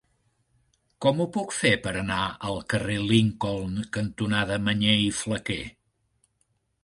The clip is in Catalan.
Com ho puc fer per anar al carrer Lincoln cantonada Mañé i Flaquer?